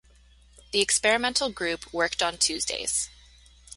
The experimental group worked on Tuesdays.